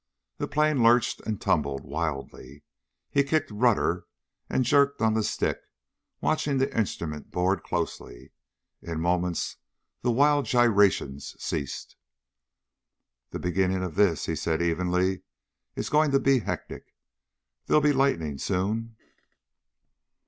The plane lurched and tumbled wildly. He kicked rudder and jerked on the stick, watching the instrument board closely. In moments the wild gyrations ceased. "The beginning of this," he said evenly, "is going to be hectic. There'll be lightning soon."